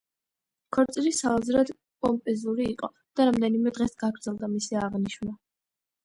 ქორწილი საოცრად პომპეზური იყო და რამდენიმე დღეს გაგრძელდა მისი აღნიშვნა.